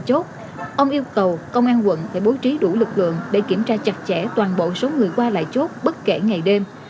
chốt ông yêu cầu công an quận phải bố trí đủ lực lượng để kiểm tra chặt chẽ toàn bộ số người qua lại chốt bất kể ngày đêm